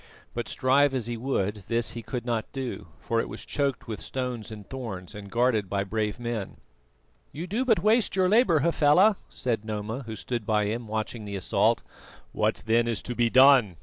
But, strive as he would, this he could not do, for it was choked with stones and thorns and guarded by brave men. "You do but waste your labour, Hafela," said Noma, who stood by him watching the assault. "What then is to be done?"